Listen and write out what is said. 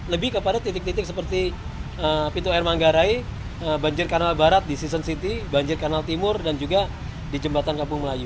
lebih kepada titik titik seperti pintu air manggarai banjir kanal barat di season city banjir kanal timur dan juga di jembatan kampung melayu